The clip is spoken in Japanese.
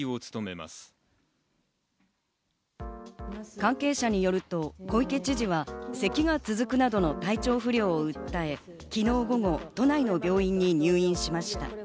関係者によると、小池知事はせきが続くなどの体調不良を訴え昨日午後、都内の病院に入院しました。